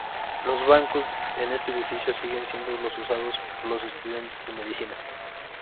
Los bancos en este edificio siguen siendo los usados por los estudiantes de medicina.